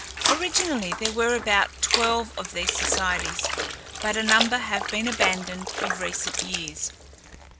Originally there were about twelve of these societies, but a number have been abandoned of recent years.